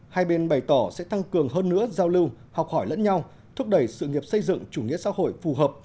hai bên bày tỏ sẽ tăng cường hơn nữa giao lưu học hỏi lẫn nhau thúc đẩy sự nghiệp xây dựng chủ nghĩa xã hội phù hợp